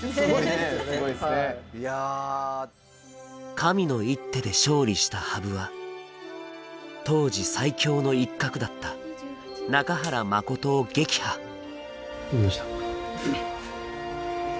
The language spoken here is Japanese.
神の一手で勝利した羽生は当時最強の一角だった中原誠を撃破負けました。